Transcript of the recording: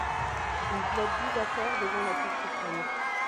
Il plaide douze affaires devant la Cour suprême.